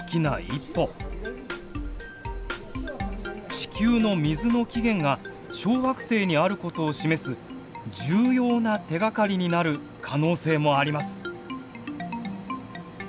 「地球の水の起源」が小惑星にあることを示す重要な手がかりになる可能性もあります。